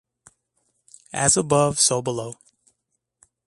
Afonso immediately abdicated from his French possessions and marched into Portugal.